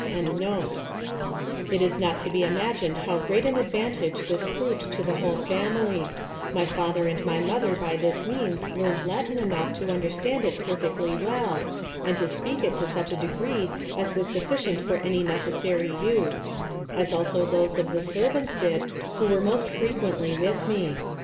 ] It is not to be imagined how great an advantage this proved to the whole family; my father and my mother by this means learned Latin enough to understand it perfectly well, and to speak it to such a degree as was sufficient for any necessary use; as also those of the servants did who were most frequently with me.